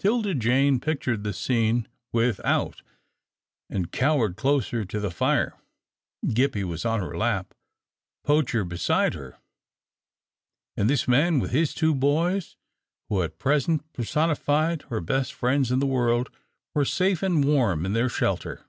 'Tilda Jane pictured the scene without, and cowered closer to the fire. Gippie was on her lap, Poacher beside her, and this man with his two boys, who at present personified her best friends in the world, were safe and warm in their shelter.